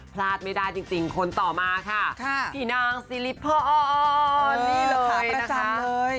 พลาดไม่ได้จริงคนต่อมาค่ะพี่นางซิริพรนี่แหละค่ะประจำเลย